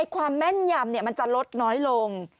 ความแม่นยำมันจะลดน้อยลง